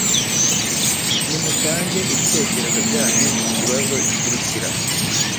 Nimutange ibitekerezo byanyu ku kibazo gikurikira: